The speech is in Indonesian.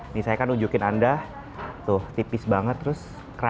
ini saya kan nunjukin anda tuh tipis banget terus keras